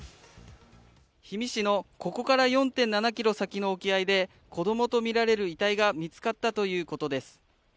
氷見市のここから４．７ｋｍ先の沖合で子供とみられる遺体が見つかったということです。